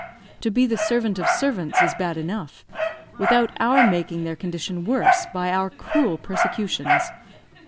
To be the servant of servants is bad enough, without our making their condition worse by our cruel persecutions.